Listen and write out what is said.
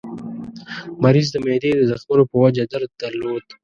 مریض د معدې د زخمونو په وجه درد درلود.